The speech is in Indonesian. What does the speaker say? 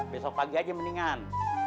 besok pagi aja mendingan